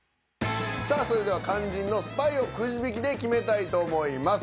それでは肝心のスパイをくじ引きで決めたいと思います。